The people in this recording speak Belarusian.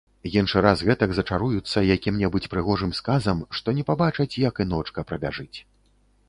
Іншы раз гэтак зачаруюцца якім-небудзь прыгожым сказам, што не пабачаць, як і ночка прабяжыць.